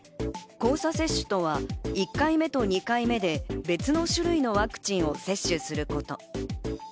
交差接種とは１回目と２回目で別の種類のワクチンを接種すること。